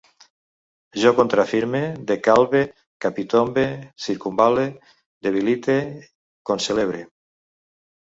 Jo contrafirme, decalve, capitombe, circumval·le, debilite, concelebre